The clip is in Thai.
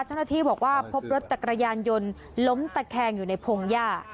เจ้าหน้าที่บอกว่าพบรถจักรยานยนต์ล้มตะแคงอยู่ในพงหญ้า